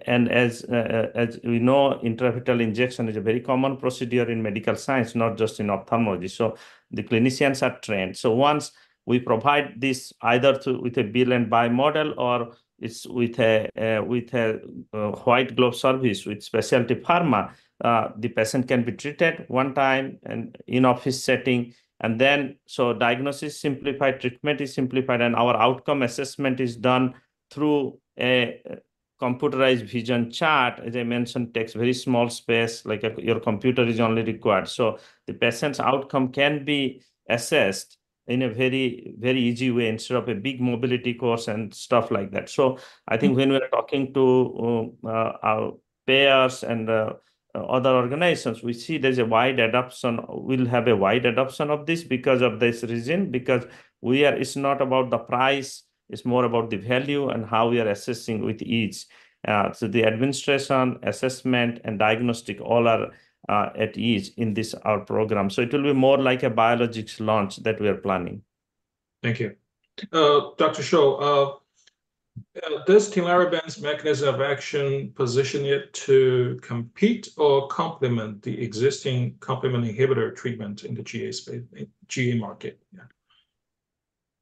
As we know, intravitreal injection is a very common procedure in medical science, not just in ophthalmology. The clinicians are trained. Once we provide this either through with a bill and buy model or it's with a white glove service with specialty pharma, the patient can be treated one time in an in-office setting. Diagnosis is simplified, treatment is simplified, and our outcome assessment is done through a computerized vision chart. As I mentioned, it takes very small space, like your computer is only required. The patient's outcome can be assessed in a very, very easy way instead of a big mobility course and stuff like that. I think when we're talking to our payers and other organizations, we see there's a wide adoption. We'll have a wide adoption of this because of this reason, because it's not about the price. It's more about the value and how we are assessing with ease. The administration, assessment, and diagnostic all are at ease in this our program. It will be more like a biologics launch that we are planning. Thank you. Dr. Scholl, does tinlarebant's advanced mechanism of action position it to compete or complement the existing complement inhibitor treatment in the GA space, GA market?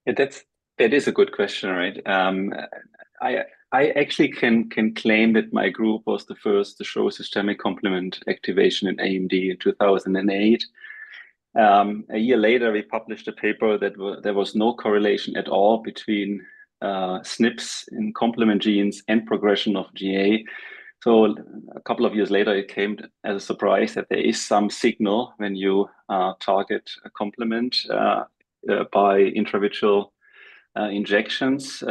Yeah, that is a good question, right? I actually can claim that my group was the first to show systemic complement activation in AMD in 2008. A year later, we published a paper that there was no correlation at all between SNPs in complement genes and progression of GA. A couple of years later, it came as a surprise that there is some signal when you target complement by intravitreal injections.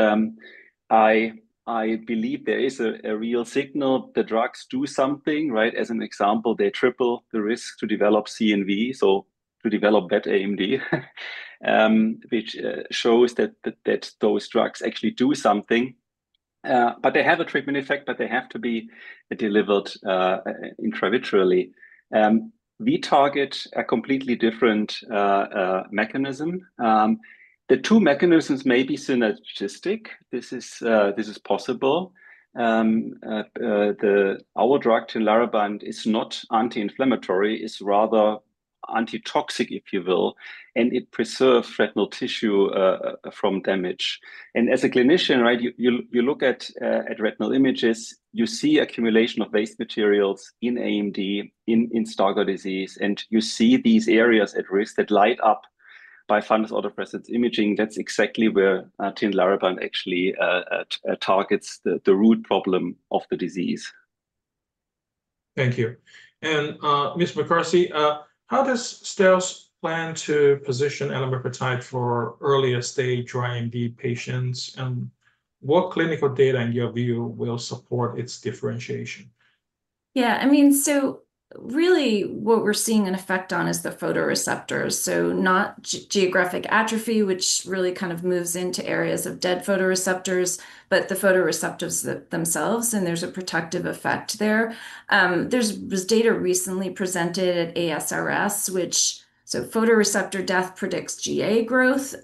I believe there is a real signal. The drugs do something, right? As an example, they triple the risk to develop CNV, to develop bad AMD, which shows that those drugs actually do something. They have a treatment effect, but they have to be delivered intravitreally. We target a completely different mechanism. The two mechanisms may be synergistic. This is possible. Our drug tinlarebant is not anti-inflammatory. It's rather antitoxic, if you will, and it preserves retinal tissue from damage. As a clinician, right, you look at retinal images, you see accumulation of waste materials in AMD, in Stargardt disease, and you see these areas at risk that light up by fundus autofluorescence imaging. That's exactly where tinlarebant actually targets the root problem of the disease. Thank you. Ms. McCarthy, how does Stealth plan to position elamipretide for earlier stage R&D patients? What clinical data, in your view, will support its differentiation? Yeah, I mean, so really what we're seeing an effect on is the photoreceptors. Not geographic atrophy, which really kind of moves into areas of dead photoreceptors, but the photoreceptors themselves. There's a protective effect there. There was data recently presented at ASRS, which showed photoreceptor death predicts GA growth.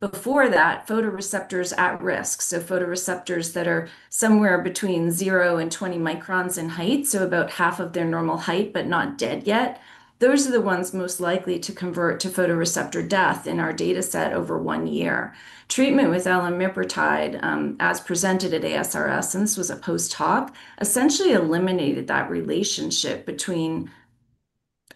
Before that, photoreceptors at risk, so photoreceptors that are somewhere between 0 and 20 microns in height, about half of their normal height but not dead yet, those are the ones most likely to convert to photoreceptor death in our data set over one year. Treatment with elamipretide, as presented at ASRS, and this was a post hoc, essentially eliminated that relationship between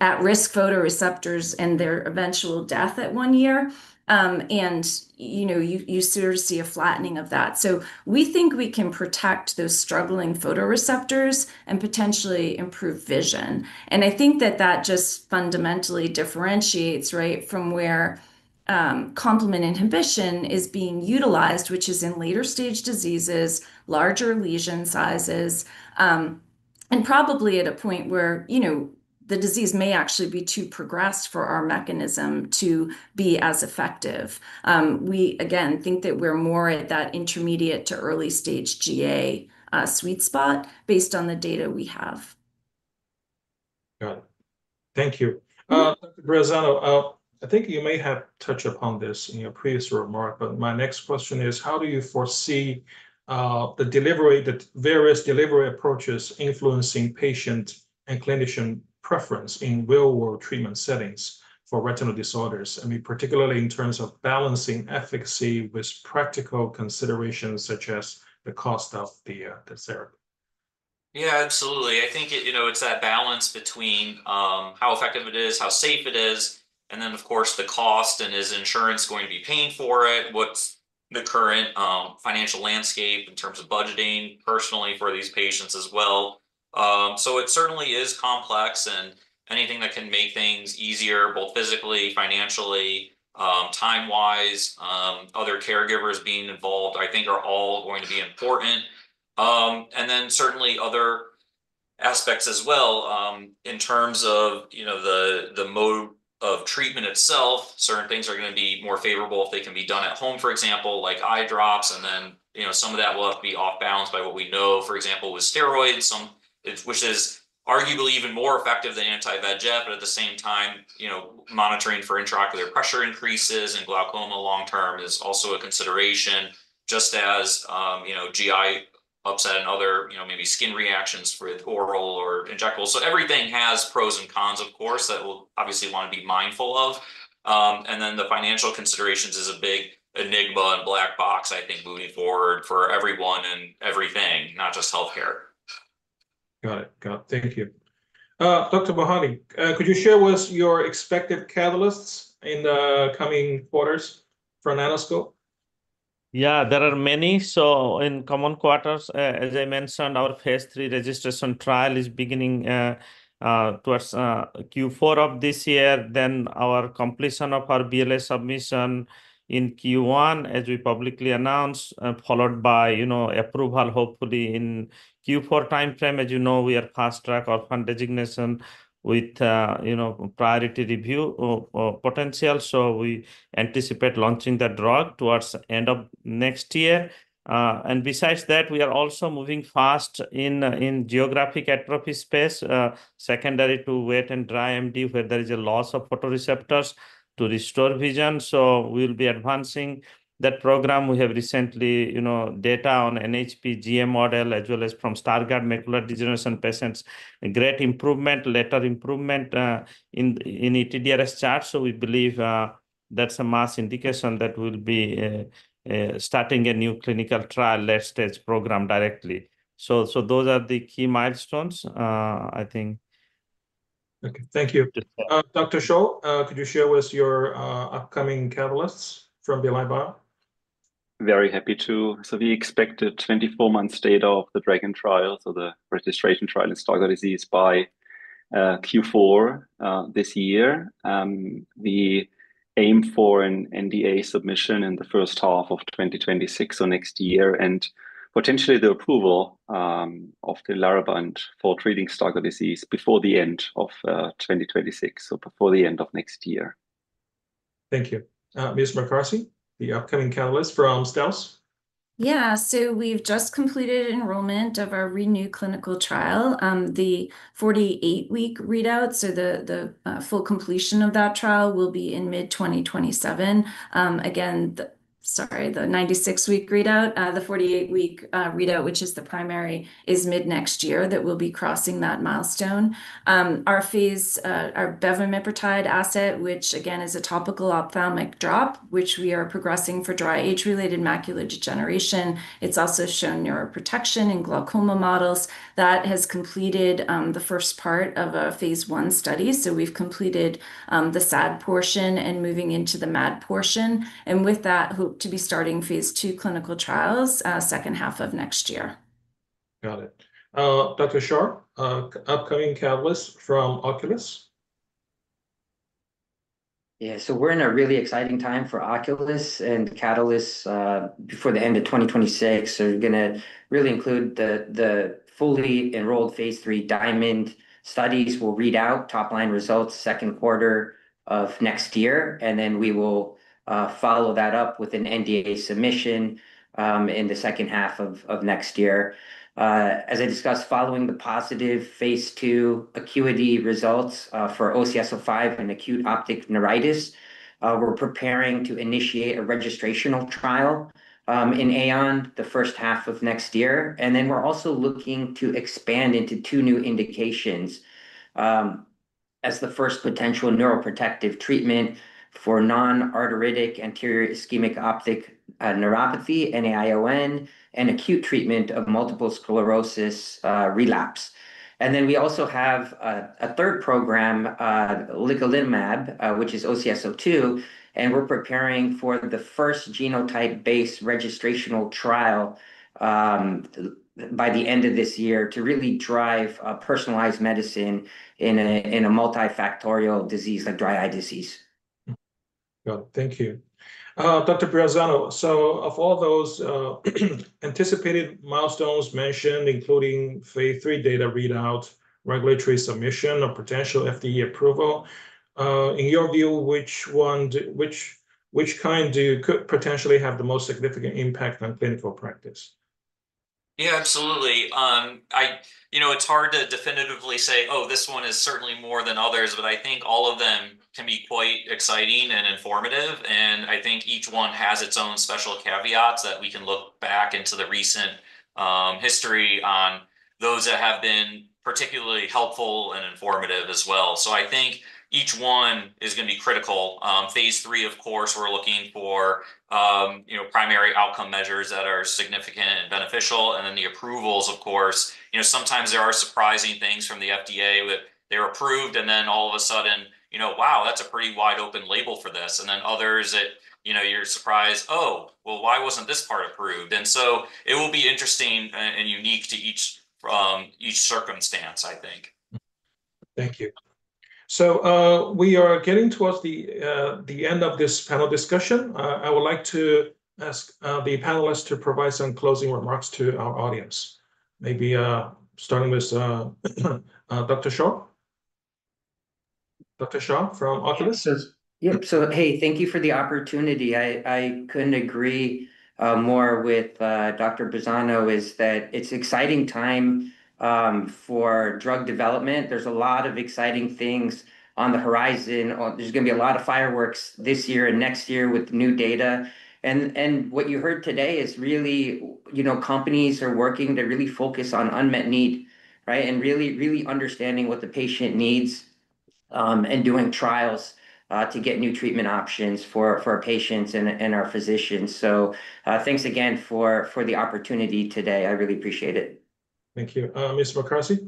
at-risk photoreceptors and their eventual death at one year. You sort of see a flattening of that. We think we can protect those struggling photoreceptors and potentially improve vision. I think that just fundamentally differentiates, right, from where complement inhibition is being utilized, which is in later stage diseases, larger lesion sizes, and probably at a point where the disease may actually be too progressed for our mechanism to be as effective. We, again, think that we're more at that intermediate to early stage GA sweet spot based on the data we have. Got it. Thank you. Breazzano, I think you may have touched upon this in your previous remark, but my next question is, how do you foresee the delivery of various delivery approaches influencing patient and clinician preference in real-world treatment settings for retinal disorders? I mean, particularly in terms of balancing efficacy with practical considerations such as the cost of the therapy? Yeah, absolutely. I think it's that balance between how effective it is, how safe it is, and then, of course, the cost and is insurance going to be paying for it? What's the current financial landscape in terms of budgeting personally for these patients as well? It certainly is complex. Anything that can make things easier, both physically, financially, time-wise, other caregivers being involved, I think, are all going to be important. Certainly, other aspects as well in terms of the mode of treatment itself. Certain things are going to be more favorable if they can be done at home, for example, like eye drops. Some of that will have to be off-balanced by what we know, for example, with steroids, which is arguably even more effective than anti-VEGF. At the same time, monitoring for intraocular pressure increases and glaucoma long-term is also a consideration, just as GI upset and other, maybe skin reactions with oral or injectables. Everything has pros and cons, of course, that we'll obviously want to be mindful of. The financial considerations is a big enigma and black box, I think, moving forward for everyone and everything, not just health care. Got it. Thank you. Dr. Mohanty, could you share with us your expected catalysts in the coming quarters for Nanoscope? Yeah, there are many. In common quarters, as I mentioned, our Phase 3 registration trial is beginning towards Q4 of this year. Our completion of our BLA submission is in Q1, as we publicly announced, followed by approval hopefully in the Q4 timeframe. As you know, we are fast track or fund designation with priority review potential. We anticipate launching that drug towards the end of next year. Besides that, we are also moving fast in geographic atrophy space secondary to wet and dry age-related macular degeneration where there is a loss of photoreceptors to restore vision. We will be advancing that program. We have recently data on NHPGM model as well as from Stargardt macular degeneration patients, a great improvement, later improvement in ETDRS chart. We believe that's a mass indication that we'll be starting a new clinical trial late-stage program directly. Those are the key milestones, I think. Okay. Thank you. Dr. Shah, could you share with us your upcoming catalysts from Belite Bio? Very happy to. We expect a 24-month readout of the Dragon trial, the registration trial in Stargardt disease, by Q4 this year. We aim for an NDA submission in the first half of 2026, and potentially the approval of tinlarebant for treating Stargardt disease before the end of 2026. Thank you. Ms. McCarthy, the upcoming catalyst from Stealth? Yeah, so we've just completed enrollment of our renewed clinical trial. The 48-week readout, so the full completion of that trial will be in mid-2027. Sorry, the 96-week readout, the 48-week readout, which is the primary, is mid-next year that we'll be crossing that milestone. Our phase, our beva-mipretide asset, which again is a topical ophthalmic drop, which we are progressing for dry age-related macular degeneration. It's also shown neuroprotection in glaucoma models. That has completed the first part of a phase I study. We've completed the SAD portion and moving into the MAD portion. With that, hope to be starting Phase 2 clinical trials second half of next year. Got it. Dr. Scholl, upcoming catalyst from Oculis? Yeah, so we're in a really exciting time for Oculis and catalysts before the end of 2026. We're going to really include the fully enrolled Phase 3 Diamond studies. We'll read out top-line results second quarter of next year, and then we will follow that up with an NDA submission in the second half of next year. As I discussed, following the positive Phase 2 acuity results for OCS-05 in acute optic neuritis, we're preparing to initiate a registrational trial in the first half of next year. We're also looking to expand into two new indications as the first potential neuroprotective treatment for non-arteritic anterior ischemic optic neuropathy, NAION, and acute treatment of multiple sclerosis relapse. We also have a third program, Licaminlimab, which is OCS-02, and we're preparing for the first genotype-based registrational trial by the end of this year to really drive personalized medicine in a multifactorial disease like dry eye disease. Got it. Thank you. Dr. Brezzano, of all those anticipated milestones mentioned, including Phase 3 data readout, regulatory submission, or potential FDA approval, in your view, which kind do you could potentially have the most significant impact on clinical practice? Yeah, absolutely. You know, it's hard to definitively say, oh, this one is certainly more than others. I think all of them can be quite exciting and informative. I think each one has its own special caveats that we can look back into the recent history on those that have been particularly helpful and informative as well. I think each one is going to be critical. Phase III, of course, we're looking for primary outcome measures that are significant and beneficial. The approvals, of course, you know, sometimes there are surprising things from the FDA that they're approved. All of a sudden, you know, wow, that's a pretty wide open label for this. Then others that, you know, you're surprised, oh, why wasn't this part approved? It will be interesting and unique to each circumstance, I think. Thank you. We are getting towards the end of this panel discussion. I would like to ask the panelists to provide some closing remarks to our audience. Maybe starting with Dr. Scholl? Dr. Scholl from Oculis? Thank you for the opportunity. I couldn't agree more with Dr. Breazzano. It's an exciting time for drug development. There are a lot of exciting things on the horizon. There are going to be a lot of fireworks this year and next year with new data. What you heard today is really companies are working to really focus on unmet need, right, and really, really understanding what the patient needs and doing trials to get new treatment options for our patients and our physicians. Thanks again for the opportunity today. I really appreciate it. Thank you. Ms. McCarthy?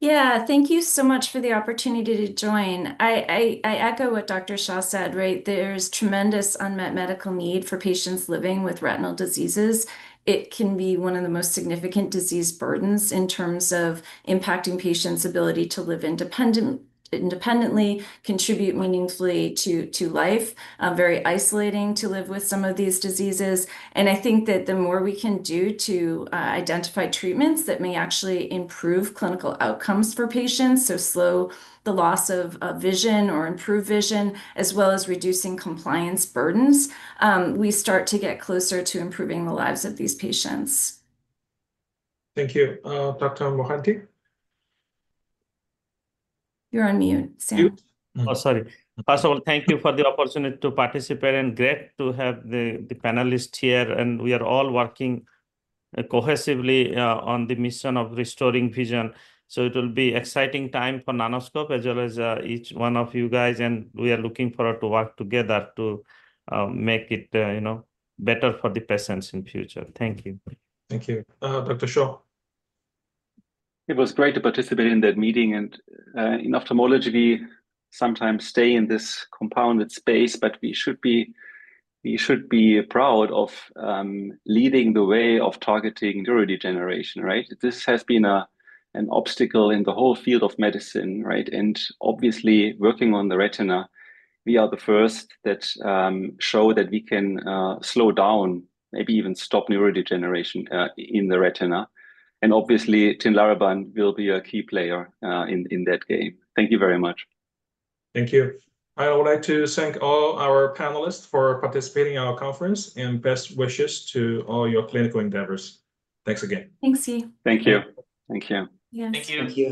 Yeah, thank you so much for the opportunity to join. I echo what Dr. Scholl said, right? There's tremendous unmet medical need for patients living with retinal diseases. It can be one of the most significant disease burdens in terms of impacting patients' ability to live independently, contribute meaningfully to life, very isolating to live with some of these diseases. I think that the more we can do to identify treatments that may actually improve clinical outcomes for patients, slow the loss of vision or improve vision, as well as reducing compliance burdens, we start to get closer to improving the lives of these patients. Thank you. Dr. Mohanty? You're on mute, Sam. First of all, thank you for the opportunity to participate. It's great to have the panelists here. We are all working cohesively on the mission of restoring vision. It will be an exciting time for Nanoscope, as well as each one of you. We are looking forward to work together to make it better for the patients in the future. Thank you. Thank you. Dr. Shah? It was great to participate in that meeting. In ophthalmology, we sometimes stay in this compounded space. We should be proud of leading the way of targeting neurodegeneration, right? This has been an obstacle in the whole field of medicine, right? Obviously, working on the retina, we are the first that show that we can slow down, maybe even stop neurodegeneration in the retina. Obviously, tinlarebant will be a key player in that game. Thank you very much. Thank you. I would like to thank all our panelists for participating in our conference and best wishes to all your clinical endeavors. Thanks again. Thanks, you. Thank you. Thank you. Yes. Thank you.